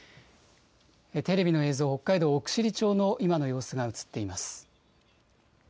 テレビの映像、北海道奥尻町の今の様子が映っています。